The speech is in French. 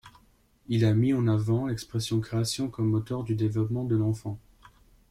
Il a mis en avant l'expression création comme moteur du développement de l'enfant.